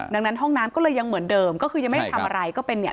ดังนั้นห้องน้ำก็เลยยังเหมือนเดิมก็คือยังไม่ได้ทำอะไรก็เป็นเนี่ย